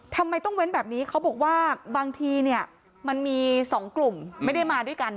ทำไมต้องเว้นแบบนี้เขาบอกว่าบางทีเนี่ยมันมี๒กลุ่มไม่ได้มาด้วยกัน